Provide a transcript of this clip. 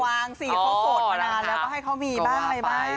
สิเขาโสดมานานแล้วก็ให้เขามีบ้างอะไรบ้าง